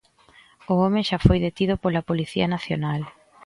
O home xa foi detido pola Policía Nacional.